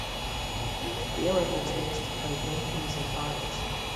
There were protests by Greenpeace and others.